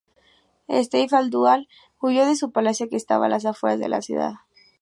Sayf al-Dawla huyó de su palacio, que estaba a las afueras de la ciudad.